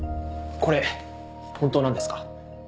これ本当なんですか？